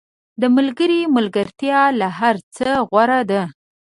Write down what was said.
• د ملګري ملګرتیا له هر څه غوره ده.